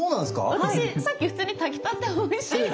私さっき普通に炊きたておいしいって。